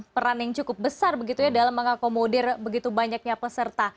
peran yang cukup besar begitu ya dalam mengakomodir begitu banyaknya peserta